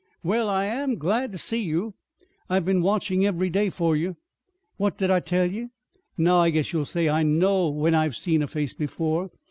"Well, I am glad to see you! I've been watchin' ev'ry day fur you. What did I tell ye? Now I guess you'll say I know when I've seen a face before!